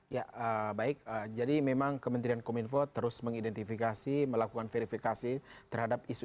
ya baik jadi memang kementerian kominfo terus mengidentifikasi melakukan verifikasi terhadap isu